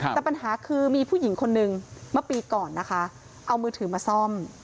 แต่ปัญหาคือมีผู้หญิงคนนึงเมื่อปีก่อนนะคะเอามือถือมาซ่อม